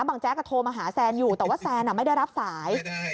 แจ๊กโทรมาหาแซนอยู่แต่ว่าแซนไม่ได้รับสาย